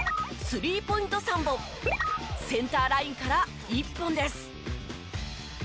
スリーポイント３本センターラインから１本です。